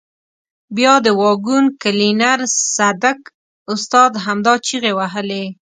بیا د واګون کلینر صدک استاد همدا چیغې وهلې.